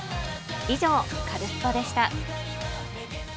以上、カルスポっ！でした。